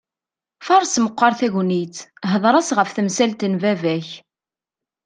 Faṛes meqqaṛ tagnitt, hḍeṛ-as ɣef temsalt n baba-k!